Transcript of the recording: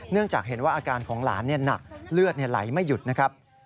จากเห็นว่าอาการของหลานหนักเลือดไหลไม่หยุดนะครับ